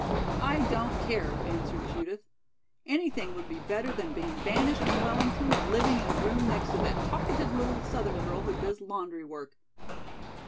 "I don't care," answered Judith. "Anything would be better than being banished from Wellington and living in a room next to that talkative little southern girl who does laundry work."